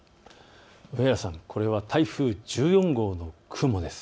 上原さん、これは台風１４号の雲です。